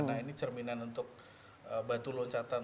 karena ini cerminan untuk batu loncatan